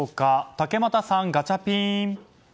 竹俣さん、ガチャピン。